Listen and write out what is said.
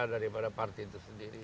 daripada partai itu sendiri